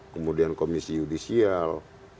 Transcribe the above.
kemudian komisi judisial